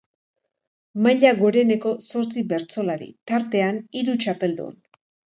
Maila goreneko zortzi bertsolari, tartean hiru txapeldun.